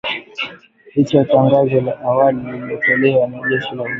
Licha ya tangazo la awali lililotolewa na jeshi la Uganda